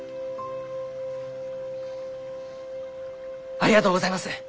ありがとうございます！